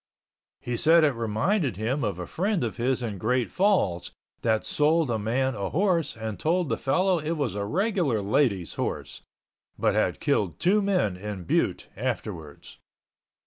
He said it reminded him of a friend of his in Great Falls that sold a man a horse and told the fellow it was a regular lady's horse, but had killed two men in Butte afterwards.